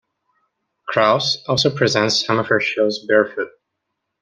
Kraus also presents some of her shows barefoot.